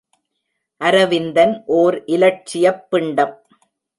அரவிந்தன் ஓர் இலட்சியப் பிண்டம்!